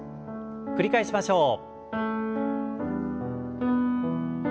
繰り返しましょう。